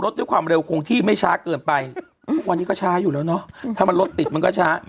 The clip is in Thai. ถ้ามันรถติดมันก็ช้า